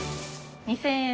２０００円？